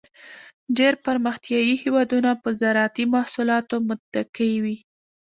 ډېری پرمختیایي هېوادونه په زراعتی محصولاتو متکی وي.